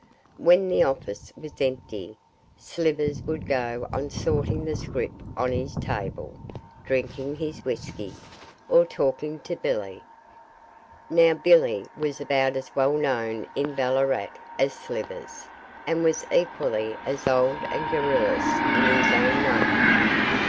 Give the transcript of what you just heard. When the office was empty, Slivers would go on sorting the scrip on his table, drinking his whisky, or talking to Billy. Now Billy was about as well known in Ballarat as Slivers, and was equally as old and garrulous in his own way.